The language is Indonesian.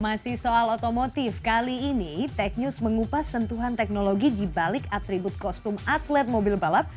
masih soal otomotif kali ini tech news mengupas sentuhan teknologi di balik atribut kostum atlet mobil balap